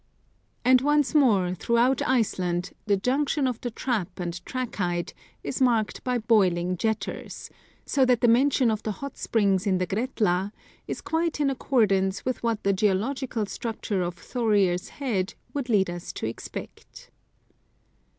And once more, throughout Iceland, the junction of the trap and trachyte is marked by boiling jetters ; so that the mention of the hot springs in the Gretla is quite in accordance with what the geological structure of Thorir's Head would lead us to expect.